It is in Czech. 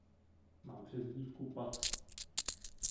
Má přezdívku Pat.